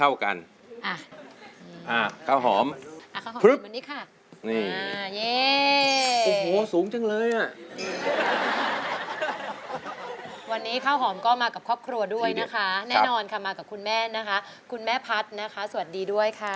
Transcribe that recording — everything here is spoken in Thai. วันนี้ข้าวหอมก็มากับครอบครัวด้วยนะคะแน่นอนค่ะมากับคุณแม่นะคะคุณแม่พัฒน์นะคะสวัสดีด้วยค่ะ